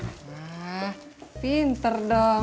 waa pinter dong